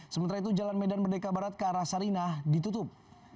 sementara itu jalan medan merdeka barat ke arah sarinah ditutup